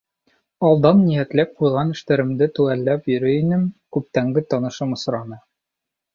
Алдан ниәтләп ҡуйған эштәремде теүәлләп йөрөй инем, күптәнге танышым осраны.